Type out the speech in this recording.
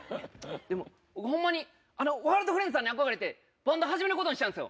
でも、ワールドグレイスさんに憧れて、バンド始めることにしたんですよ。